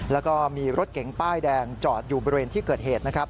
แล้วก็มีรถเก๋งป้ายแดงจอดอยู่บริเวณที่เกิดเหตุนะครับ